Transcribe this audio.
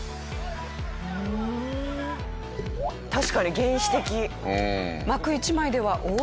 確かに原始的。